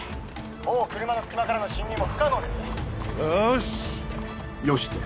もう車の隙間からの侵入も不可能ですよしよしって？